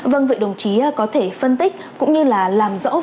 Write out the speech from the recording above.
vâng vị đồng chí có thể phân tích cũng như là làm rõ phần